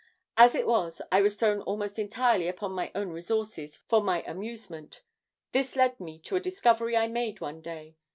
"As it was, I was thrown almost entirely upon my own resources for any amusement. This led me to a discovery I made one day.